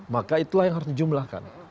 maka itulah yang harus dijumlahkan